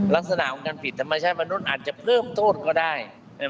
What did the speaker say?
ลักษณะของการผิดธรรมชาติมนุษย์อาจจะเพิ่มโทษก็ได้